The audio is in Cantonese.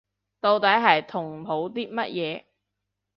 到底係同好啲乜嘢